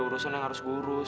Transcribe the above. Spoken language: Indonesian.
urusan yang harus gue urus